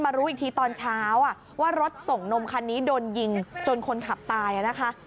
รู้อีกทีตอนเช้าว่ารถส่งนมคันนี้โดนยิงจนคนขับตายนะคะ